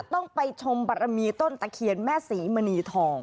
ต้องไปชมบารมีต้นตะเคียนแม่ศรีมณีทอง